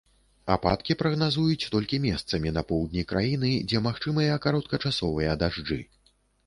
Ападкі прагназуюць толькі месцамі на поўдні краіны, дзе магчымыя кароткачасовыя дажджы.